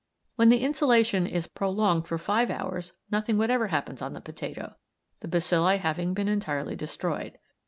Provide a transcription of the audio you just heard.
When the insolation is prolonged for five hours nothing whatever appears on the potato, the bacilli having been entirely destroyed.